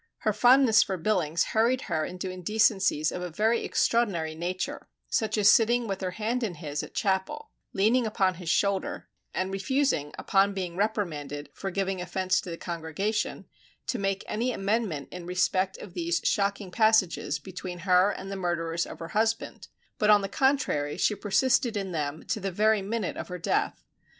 Her fondness for Billings hurried her into indecencies of a very extraordinary nature, such as sitting with her hand in his at chapel, leaning upon his shoulder, and refusing upon being reprimanded (for giving offence to the congregation) to make any amendment in respect of these shocking passages between her and the murderers of her husband, but on the contrary, she persisted in them to the very minute of her death.